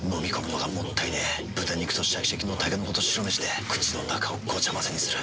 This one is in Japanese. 豚肉とシャキシャキのたけのこと白めしで口の中をごちゃ混ぜにする。